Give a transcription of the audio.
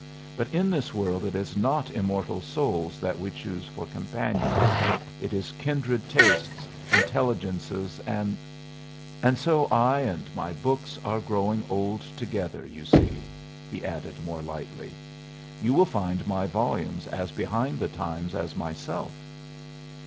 But in this world it is not immortal souls that we choose for companions; it is kindred tastes, intelligences, and and so I and my books are growing old together, you see," he added, more lightly. "You will find my volumes as behind the times as myself."